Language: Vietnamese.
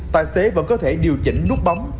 tài xế vẫn có thể điều chỉnh nút bấm